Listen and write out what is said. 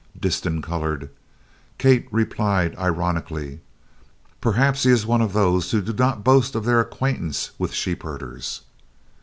Disston colored. Kate replied ironically: "Perhaps he is one of those who do not boast of their acquaintance with sheepherders."